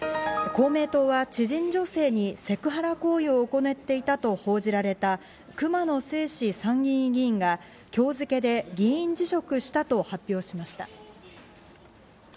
公明党は知人女性にセクハラ行為を行っていたと報じられた熊野正士参議院議員が、今日付けで議員辞職したと発表しました。